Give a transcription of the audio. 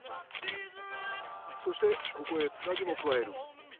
そしてここへつなぎも加える。